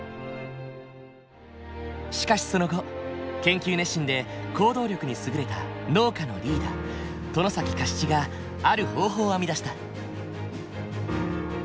しかしその後研究熱心で行動力に優れた農家のリーダー外崎嘉七がある方法を編み出した。